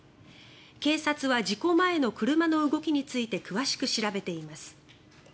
警察は事故前の車の動きについて詳しく調べています。